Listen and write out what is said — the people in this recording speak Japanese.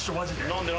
何で？